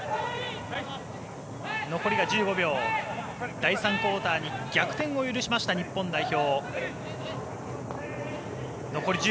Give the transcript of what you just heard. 第３クオーターに逆転を許しました日本代表。